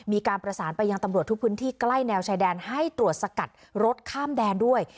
มีการประสานไปยังตำรวจทุกพื้นที่ใกล้แนวชายแดนให้ตรวจสกัดรถข้ามแดนด้วย